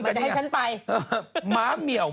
ให้เลยให้เลย